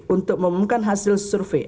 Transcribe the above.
untuk mengumumkan hasil survei